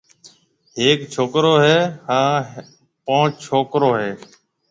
ھيَََڪ ڇوڪرو ھيََََ ھان پونچ ڇوڪرَو ھيََََ